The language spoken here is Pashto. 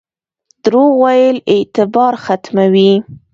دروغ ویل اعتبار ختموي